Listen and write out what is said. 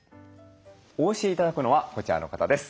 お教え頂くのはこちらの方です。